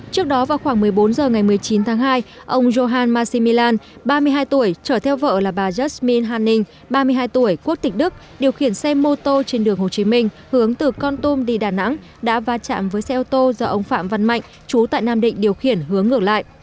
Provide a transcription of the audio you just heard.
trước đó vào khoảng một mươi bốn h ngày một mươi chín tháng hai ông johan massimilan ba mươi hai tuổi trở theo vợ là bà jasmine hanning ba mươi hai tuổi quốc tịch đức điều khiển xe mô tô trên đường hồ chí minh hướng từ con tum đi đà nẵng đã va chạm với xe ô tô do ông phạm văn mạnh chú tại nam định điều khiển hướng ngược lại